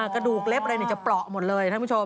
อ๋อกระดูกเล็บอะไรเนี่ยจะเปราะหมดเลยนะคุณผู้ชม